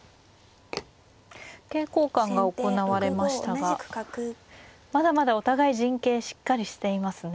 桂交換が行われましたがまだまだお互い陣形しっかりしていますね。